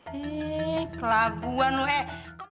heee kelabuan lo eh